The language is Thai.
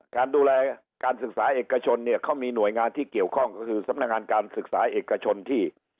การดูแลการศึกษาเอกชนเนี่ยเขามีหน่วยงานที่เกี่ยวข้องก็คือสำนักงานการศึกษาเอกชนที่